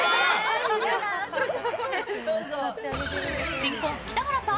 新婚・北原さん